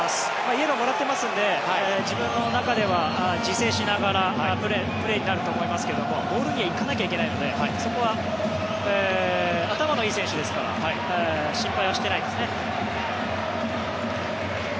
イエローをもらっていますので自分の中では自制しながらのプレーになると思いますがボールには行かないといけないのでそこは頭のいい選手ですから心配はしていないですね。